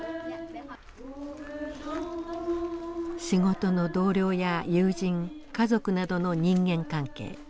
仕事の同僚や友人家族などの人間関係。